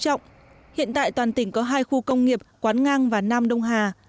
trọng hiện tại toàn tỉnh có hai khu công nghiệp quán ngang và nam đông hà